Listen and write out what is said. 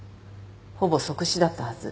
ほぼ即死だったはず。